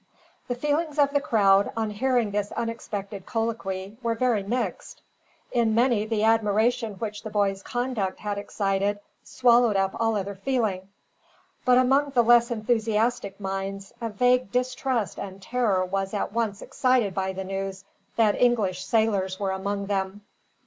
The feelings of the crowd, on hearing this unexpected colloquy, were very mixed. In many, the admiration which the boys' conduct had excited swallowed up all other feeling. But among the less enthusiastic minds, a vague distrust and terror was at once excited by the news that English sailors were among them.